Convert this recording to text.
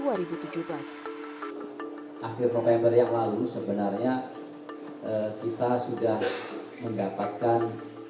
akhir november yang lalu sebenarnya kita sudah mendapatkan